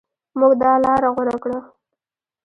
موږ دا لاره غوره کړه.